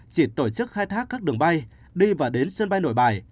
chỉ tổ chức khai thác các đường bay đi và đến sân bay nội bài